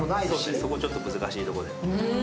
はいそこちょっと難しいところで。